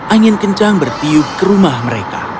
angin kencang bertiup ke rumah mereka